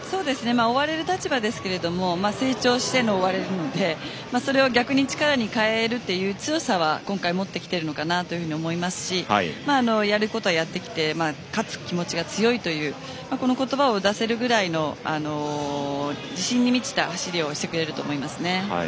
追われる立場ですが成長して追われるのでそれを逆に力に変えるという強さは今回持ってきているのかなと思いますしやることはやってきて勝つ気持ちが強いというこの言葉を出せるぐらいの自信に満ちた走りをしてくれると思います。